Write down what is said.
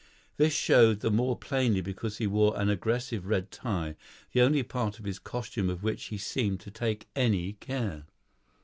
This showed the more plainly because he wore an aggressive red tie, the only part of his costume of which he seemed to take any care.